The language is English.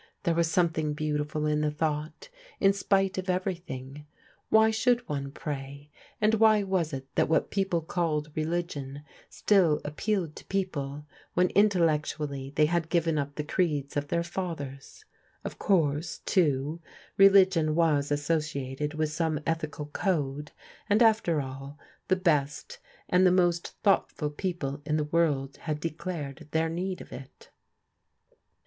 There was something beautiful in the thought, in spite of every thing. Why should one pray? And why was it that what people caWed tdX^oxv ?»>l'^ ^^^«aSfc.^ \a s^^i^le when intellectually they Viad ^N«a >3c^ ^^^\^^^^ ^V ^c^^vt \ar ^'MISS STATHAM^' 363 thers?" Of course, too, religion was associated with some ethical code, and after all, the best and the most thought ful people in the world had declared their need of it.